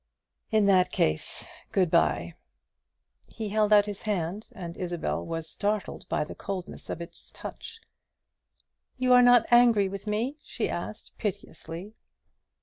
"In that case, good bye." He held out his hand, and Isabel was startled by the coldness of its touch. "You are not angry with me?" she asked, piteously.